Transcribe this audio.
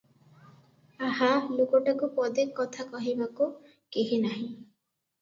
ଆହା! ଲୋକଟାକୁ ପଦେ କଥା କହିବାକୁ କେହି ନାହିଁ ।